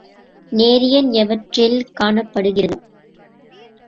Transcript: நேரியன் எவற்றில் காணப்படுகிறது?